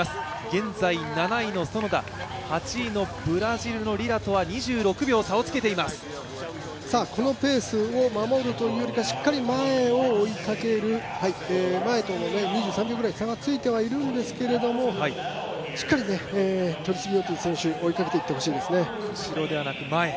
現在７位の園田、８位のブラジルのリラとはこのペースを守るというよりはしっかり前を追いかける、前との差が２３秒ぐらいついてはいるんですがしっかりトリスビオティ選手を追いかけていってほしいですね。